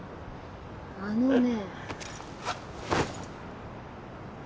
あのね。